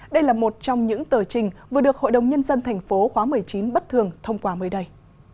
đây là một trong những tờ trình vừa được hội đồng nhân dân tp khóa một mươi chín bất thường thông qua mới đây